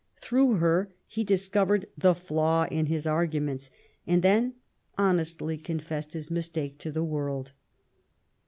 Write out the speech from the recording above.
Through her he discovered the flaw in his arguments, and then honestly confessed his mistake to the world.